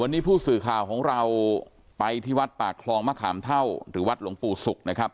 วันนี้ผู้สื่อข่าวของเราไปที่วัดปากคลองมะขามเท่าหรือวัดหลวงปู่ศุกร์นะครับ